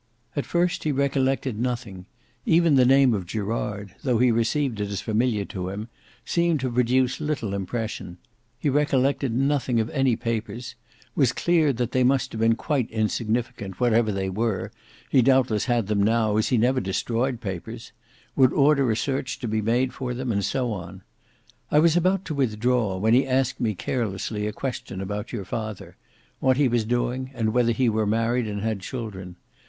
"At first he recollected nothing: even the name of Gerard, though he received it as familiar to him, seemed to produce little impression; he recollected nothing of any papers; was clear that they must have been quite insignificant; whatever they were, he doubtless had them now, as he never destroyed papers: would order a search to be made for them, and so on. I was about to withdraw, when he asked me carelessly a question about your father; what he was doing, and whether he were married and had children.